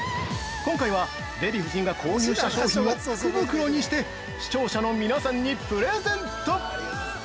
今回は、デヴィ夫人が購入した商品を福袋にして視聴者の皆さんにプレゼント！